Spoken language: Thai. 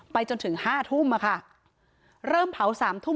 จนถึงห้าทุ่มอ่ะค่ะเริ่มเผาสามทุ่ม